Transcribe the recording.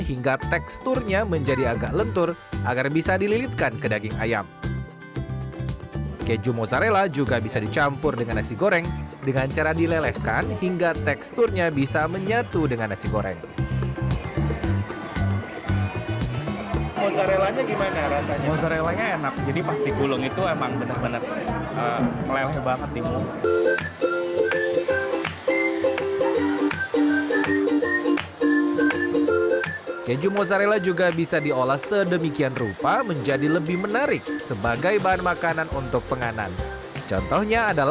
ketika dikonsumsi keju mozzarella saya sudah tidak sabar ingin mencicipi makanan yang diinginkan